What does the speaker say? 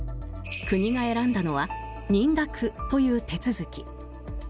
国が選んだのは認諾という手続き。